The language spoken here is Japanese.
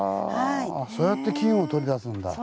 そうやって金を取り出すんだ。